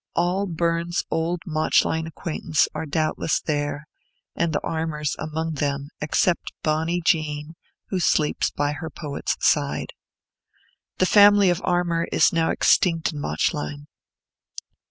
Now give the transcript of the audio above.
All Burns's old Mauchline acquaintance are doubtless there, and the Armours among them, except Bonny Jean, who sleeps by her poet's side. The family of Armour is now extinct in Mauchline.